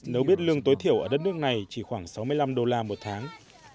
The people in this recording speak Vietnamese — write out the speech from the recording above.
nếu biết lương tối thiểu ở đất nước này chỉ khoảng sáu mươi năm đô la một tháng